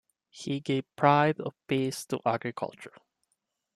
He gave pride of pace to agriculture.